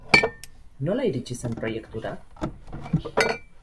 Nola iritsi zen proiektura?